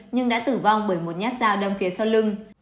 nhưng đã tử vong bởi một nhát dao đâm phía sau lưng